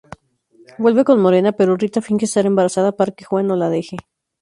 Vuelve con Morena, pero Rita finge estar embarazada para que Juan no la deje.